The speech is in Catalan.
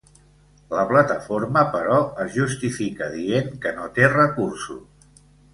La plataforma, però, es justifica dient que no té recursos.